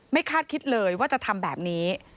คาดคิดเลยว่าจะทำแบบนี้